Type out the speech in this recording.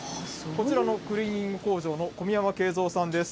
こちらのクリーニング工場の小宮山圭造さんです。